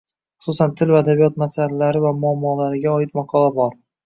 Xususan, til va adabiyot masalalari va muammolariga oid maqola bor